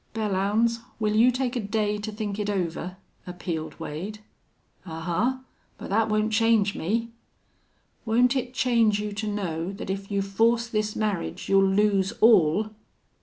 "Belllounds, will you take a day to think it over?" appealed Wade. "Ahuh! But that won't change me." "Won't it change you to know that if you force this marriage you'll lose all?"